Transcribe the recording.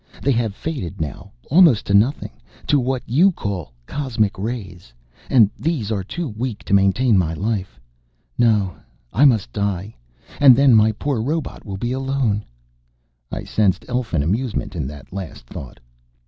"They have faded now almost to nothing, to what you call cosmic rays. And these are too weak to maintain my life. No, I must die. And then my poor robot will be alone." I sensed elfin amusement in that last thought.